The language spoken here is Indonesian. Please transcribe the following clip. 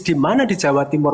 di mana di jawa timur